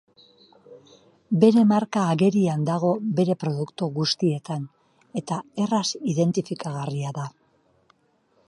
Bere marka agerian dago bere produktu guztietan eta erraz identifikagarria da.